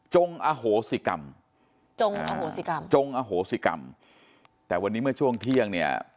อโหสิกรรมจงอโหสิกรรมจงอโหสิกรรมแต่วันนี้เมื่อช่วงเที่ยงเนี่ย